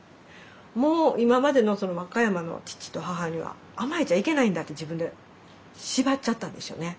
もう今までの和歌山の父と母には甘えちゃいけないんだって自分で縛っちゃったんでしょうね。